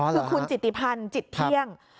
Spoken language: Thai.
คือคุณจิติพันธ์จิตเที่ยง